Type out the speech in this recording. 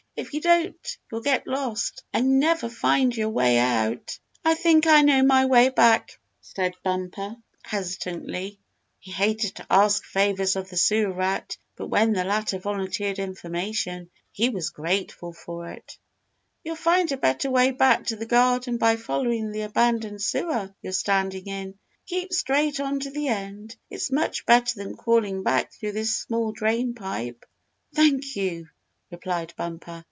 If you don't you'll get lost, and never find your way out." "I think I know my way back," said Bumper, hesitatingly. He hated to ask favors of the Sewer Rat, but when the latter volunteered information he was grateful for it. "You'll find a better way back to the garden by following the abandoned sewer you're standing in. Keep straight on to the end. It's much better than crawling back through this small drain pipe." "Thank you!" replied Bumper.